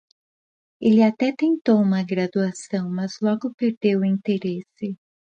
Ele até tentou uma graduação, mas logo perdeu o interesse.